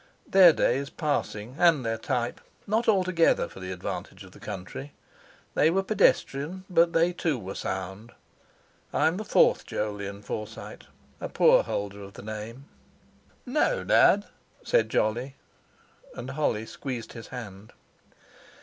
Their day is passing, and their type, not altogether for the advantage of the country. They were pedestrian, but they too were sound. I am the fourth Jolyon Forsyte—a poor holder of the name—" "No, Dad," said Jolly, and Holly squeezed his hand.